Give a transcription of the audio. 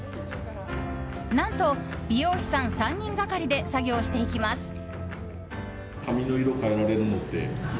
何と、美容師さん３人がかりで作業していきます。